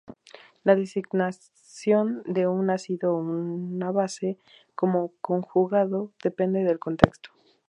La designación de un ácido o una base como "conjugado" depende del contexto.